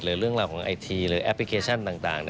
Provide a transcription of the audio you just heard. เรื่องราวของไอทีหรือแอปพลิเคชันต่าง